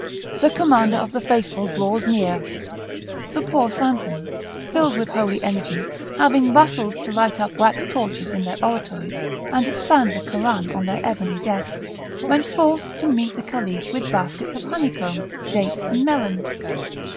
the Commander of the Faithful draws near." The poor Santons, filled with holy energy, having bustled to light up wax torches in their oratories and expand the Koran on their ebony desks, went forth to meet the Caliph with baskets of honeycomb, dates, and melons.